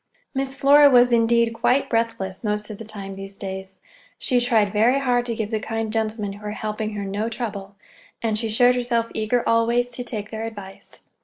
Miss Flora was, indeed, quite breathless most of the time, these days. She tried very hard to give the kind gentlemen who were helping her no trouble, and she showed herself eager always to take their advice.